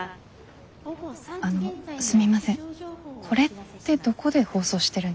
あのすみません